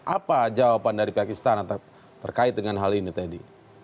apa jawaban dari pihak istana terkait dengan hal ini teddy